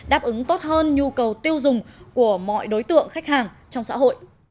đáp ứng tốt hơn nhu cầu tiêu dùng của mọi đối tượng khách hàng trong xã hội